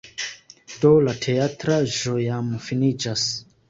Do, la teatraĵo jam finiĝas